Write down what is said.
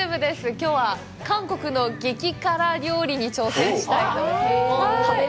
きょうは韓国の激辛料理に挑戦したいと思います。